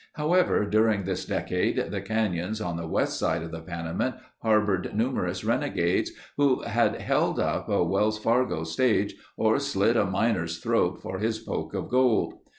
However, during this decade the canyons on the west side of the Panamint harbored numerous renegades who had held up a Wells Fargo stage or slit a miner's throat for his poke of gold.